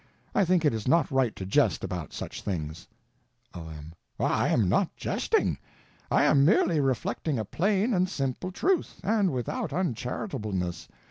I think it is not right to jest about such things. O.M. I am not jesting, I am merely reflecting a plain and simple truth—and without uncharitableness.